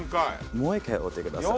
もう１回折ってください。